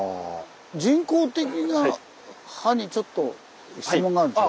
人工的な派にちょっと質問があるんですけど。